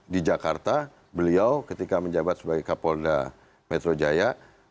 di jakarta beliau ketika menjabat sebagai kapolda metro jaya